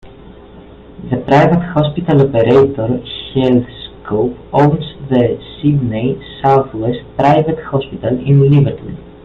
The private hospital operator Healthscope owns the Sydney Southwest Private Hospital in Liverpool.